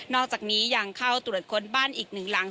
อกจากนี้ยังเข้าตรวจค้นบ้านอีกหนึ่งหลัง